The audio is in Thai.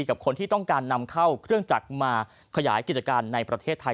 กับคนที่ต้องการนำเข้าเครื่องจักรมาขยายกิจการในประเทศไทย